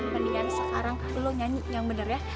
mendingan sekarang lo nyanyi yang bener ya